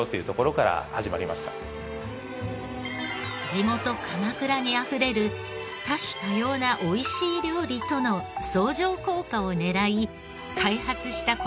地元鎌倉にあふれる多種多様な美味しい料理との相乗効果を狙い開発したこの地